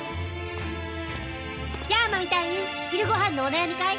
やあマミ隊員昼ごはんのお悩みかい？